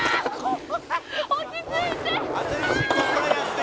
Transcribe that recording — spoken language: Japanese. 「落ち着いて。ああ！」